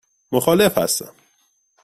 مخالف هستم.